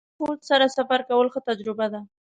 د لارښود سره سفر کول ښه تجربه ده.